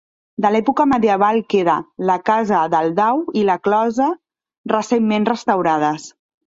De l'època medieval queda: la Casa del Dau i la closa, recentment restaurades.